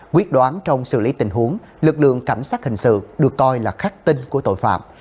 quyết đoán trong xử lý tình huống lực lượng cảnh sát hình sự được coi là khắc tinh của tội phạm